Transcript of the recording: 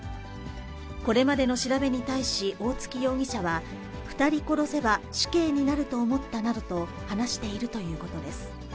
これまでの調べに対し、大槻容疑者は、２人殺せば死刑になると思ったなどと話しているということです。